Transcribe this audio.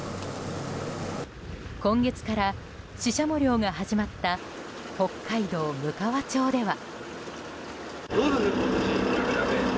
今月からシシャモ漁が始まった北海道むかわ町では。